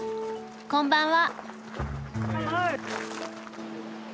こんばんは。